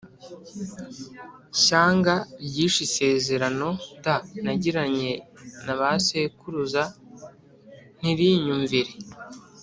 Shyanga ryishe isezerano d nagiranye na ba sekuruza ntirinyumvire